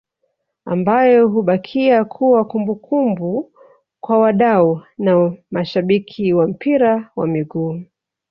ambayo hubakia kuwa kumbukumbu kwa wadau na mashabiki wa mpira wa miguu